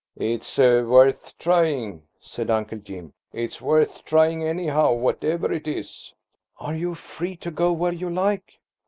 "It's worth trying," said Uncle Jim,–"it's worth trying anyhow, whatever it is." "Are you free to go where you like?"